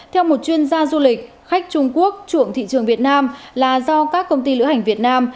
theo một chuyên gia du lịch khách trung quốc chuộng thị trường việt nam là do các công ty lữ hành việt nam